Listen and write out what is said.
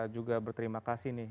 juga berterima kasih nih